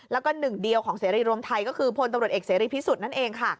แล้วก็หนึ่งเดียวของเสรีรวมไทยก็คือพลตำรวจเอกเสรีพิสุทธิ์นั่นเองค่ะ